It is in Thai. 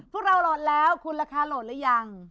พวกเราโหลดแล้วคุณราคาโหลดหรือยัง